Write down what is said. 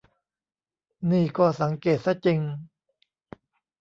นี่ก็สังเกตซะจริง